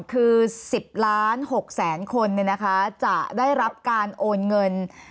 คือ๑๐๖๐๐๐๐๐เป็นคนนะคะจะได้รับการโอนเงิน